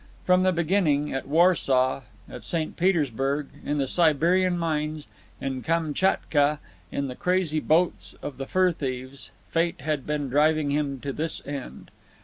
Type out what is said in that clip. From the beginning, at Warsaw, at St. Petersburg, in the Siberian mines, in Kamtchatka, on the crazy boats of the fur thieves, Fate had been driving him to this end.